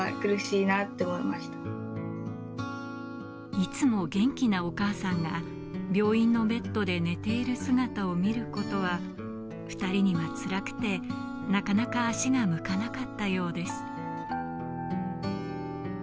いつも元気なお母さんが病院のベッドで寝ている姿を見ることは２人にはつらくて、なかなか足が向かなかったようです。